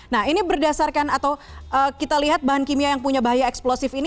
nah ini berdasarkan atau kita lihat bahan kimia yang punya bahaya eksplosif ini